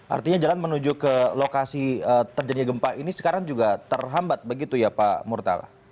artinya jalan menuju ke lokasi terjadinya gempa ini sekarang juga terhambat begitu ya pak murtala